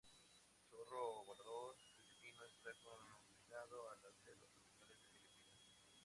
El zorro volador filipino está confinado a las selvas tropicales de Filipinas.